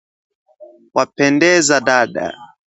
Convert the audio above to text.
"Wapendeza dada